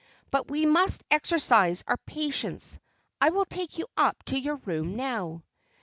"But we must exercise our patience. I will take you up to your room now."